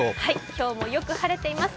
今日もよく晴れています